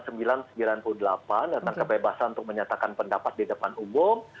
tentang kebebasan untuk menyatakan pendapat di depan umum